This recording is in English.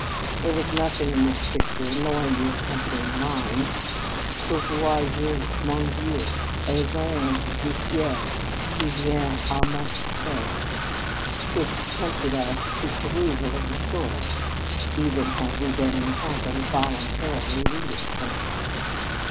There was nothing in this pic ture, nor in the accompanying lines, "Que vois je? Mon Dieu! Un ange de Ciel, qui vient a mon secours," which tempted us to a perusal of the story, even had we been in the habit of voluntarily reading French.